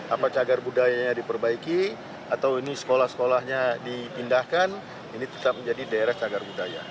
apa cagar budayanya diperbaiki atau ini sekolah sekolahnya dipindahkan ini tetap menjadi daerah cagar budaya